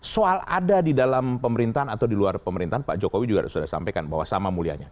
soal ada di dalam pemerintahan atau di luar pemerintahan pak jokowi juga sudah sampaikan bahwa sama mulianya